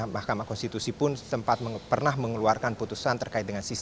mahkamah konstitusi pun sempat pernah mengeluarkan putusan terkait dengan sistem